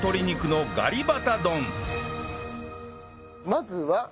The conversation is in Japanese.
まずは？